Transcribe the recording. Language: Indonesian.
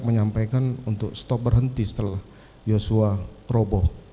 saya menyampaikan untuk stop berhenti setelah joshua keroboh